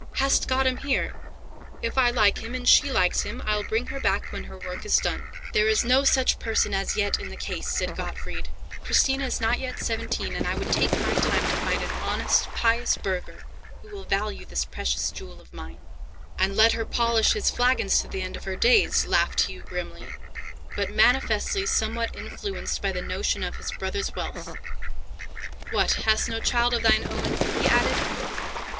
Hast got him here? If I like him, and she likes him, I'll bring her back when her work is done." "There is no such person as yet in the case," said Gottfried. "Christina is not yet seventeen, and I would take my time to find an honest, pious burgher, who will value this precious jewel of mine." "And let her polish his flagons to the end of her days," laughed Hugh grimly, but manifestly somewhat influenced by the notion of his brother's wealth. "What, hast no child of thine own?" he added.